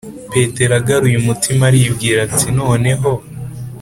Petero agaruye umutima aribwira ati Noneho